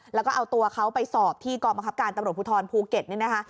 แล้วก็เอาตัวเขาไปสอบที่กองบังคับการตำรวจภูทรภูเก็ตนี่นะคะ